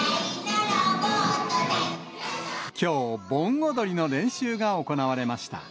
きょう、盆踊りの練習が行われました。